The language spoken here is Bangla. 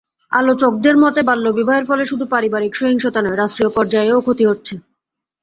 আলোচকদের মতে, বাল্যবিবাহের ফলে শুধু পারিবারিক সহিংসতা নয়, রাষ্ট্রীয় পর্যায়েও ক্ষতি হচ্ছে।